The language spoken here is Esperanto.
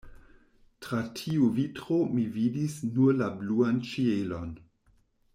Tra tiu vitro mi vidis nur la bluan ĉielon.